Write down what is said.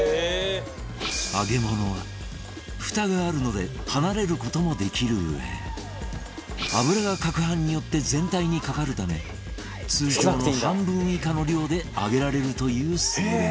揚げ物はフタがあるので離れる事もできるうえ油が撹拌によって全体にかかるため通常の半分以下の量で揚げられるという優れもの